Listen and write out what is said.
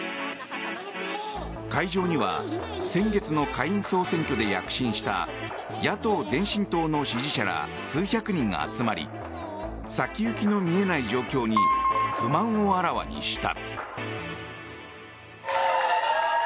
会場には先月の下院総選挙で躍進した野党・前進党の支持者ら数百人が集まり先行きの見えない状況に不満をあらわにした。